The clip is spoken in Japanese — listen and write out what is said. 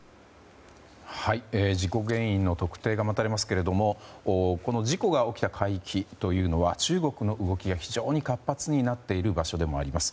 事故原因の特定が待たれますがこの事故が起きた海域というのは中国の動きが非常に活発になっている場所でもあります。